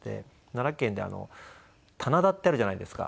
奈良県で棚田ってあるじゃないですか。